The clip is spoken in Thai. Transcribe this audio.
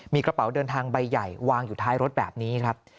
มีกระเป๋าเดินทางใบใหญ่วางอยู่ท้ายรถแบบนี้ครับ